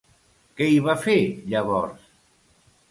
Què hi va fer, llavors?